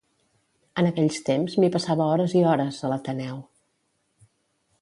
En aquells temps m'hi passava hores i hores, a l'Ateneu.